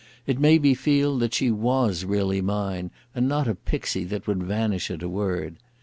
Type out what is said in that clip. It made me feel that she was really mine, and not a pixie that would vanish at a word.